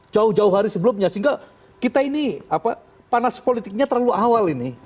jauh jauh hari sebelumnya sehingga kita ini panas politiknya terlalu awal ini